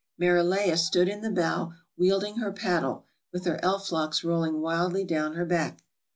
Marileha stood in the bow, wielding her paddle, with her elf locks rolling wildly down her back.